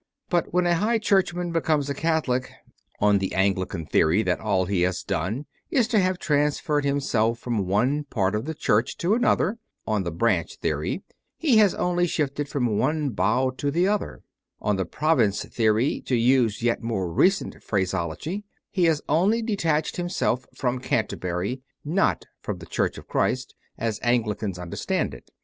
But 60 CONFESSIONS OF A CONVERT when a High Churchman becomes a Catholic, on the Anglican theory all that he has done is to have transferred himself from one part of the Church to another; on the "Branch" theory, he has only shifted from one bough to the other; on the "Pro vince" theory, to use yet more recent phraseology, he has only detached himself from Canterbury, not from the Church of Christ, as Anglicans understand it.